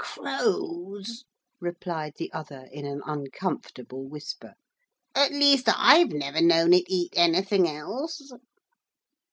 'Crows,' replied the other in an uncomfortable whisper. 'At least I've never known it eat anything else!'